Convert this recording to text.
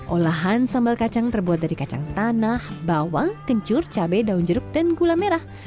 olahan sambal kacang terbuat dari kacang tanah bawang kencur cabai daun jeruk dan gula merah